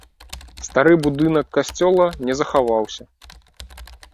Стары будынак касцёла не захаваўся.